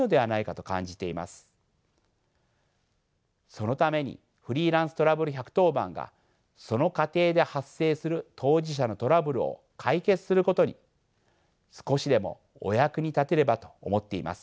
そのためにフリーランス・トラブル１１０番がその過程で発生する当事者のトラブルを解決することに少しでもお役に立てればと思っています。